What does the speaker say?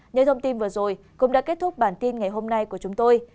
những thông tin vừa rồi cũng đã kết thúc bản tin ngày hôm nay của chúng tôi